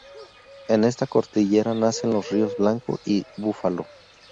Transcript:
En esta cordillera nacen los ríos Blanco y Búfalo.